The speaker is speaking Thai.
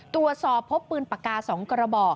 ตรวจสอบพบปืนปากกา๒กระบอก